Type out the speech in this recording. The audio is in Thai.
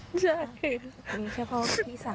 มีเฉพาะพี่สาว